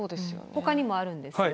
ほかにもあるんですよね。